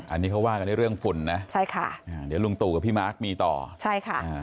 อันนี้เขาว่ากันด้วยเรื่องฝุ่นนะใช่ค่ะอ่าเดี๋ยวลุงตู่กับพี่มาร์คมีต่อใช่ค่ะอ่า